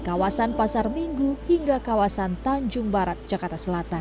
kawasan pasar minggu hingga kawasan tanjung barat jakarta selatan